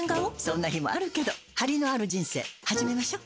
そんな日もあるけどハリのある人生始めましょ。